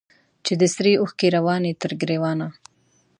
چي دي سرې اوښکي رواني تر ګرېوانه